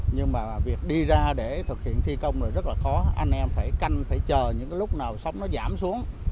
nhưng mà việc đi ra để thực hiện thi công là rất là khó anh em phải canh phải chờ những lúc nào sống nó giảm xuống